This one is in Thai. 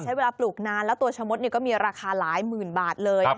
ใช้เวลาปลูกนานแล้วตัวชมมตรก็มีราคาหลายหมื่นบาทเลย